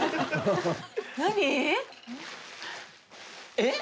えっ？